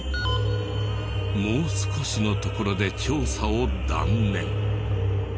もう少しのところで調査を断念。